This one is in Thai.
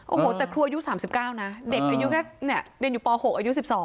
โอ้โหแต่ครูอายุ๓๙นะเด็กอยู่ป๖อายุ๑๒